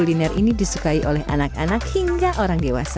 kuliner ini disukai oleh anak anak hingga orang dewasa